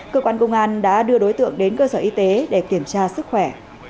cơ quan công an đã đưa đối tượng đến cơ sở y tế để kiểm tra sức khỏe